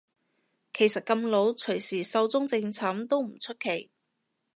其實咁老隨時壽終正寢都唔出奇